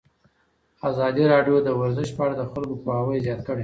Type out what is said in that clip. ازادي راډیو د ورزش په اړه د خلکو پوهاوی زیات کړی.